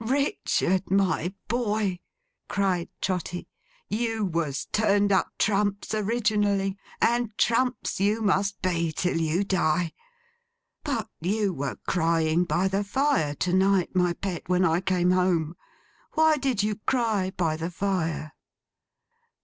'Richard my boy!' cried Trotty. 'You was turned up Trumps originally; and Trumps you must be, till you die! But, you were crying by the fire to night, my pet, when I came home! Why did you cry by the fire?